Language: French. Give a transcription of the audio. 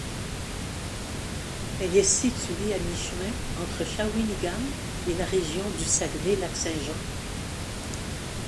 Elle est située à mi-chemin entre Shawinigan et la région du Saguenay–Lac-Saint-Jean.